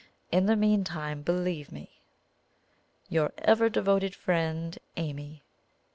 In the meantime, believe me, "Your ever devoted friend, AMY."